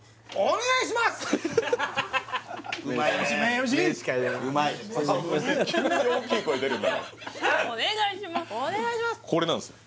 ・「お願いします」